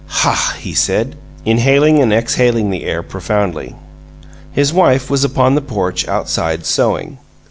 "Hah!" he said, inhaling and exhaling the air profoundly. His wife was upon the porch, outside, sewing.